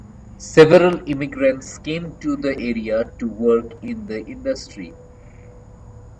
Several immigrants came to the area to work in the industry.